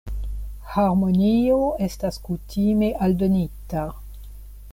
Harmonio estas kutime aldonita.